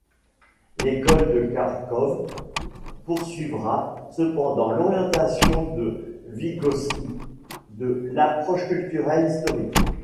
L'école de Kharkov poursuivra cependant l'orientation de Vygotski de l'approche culturelle Historique.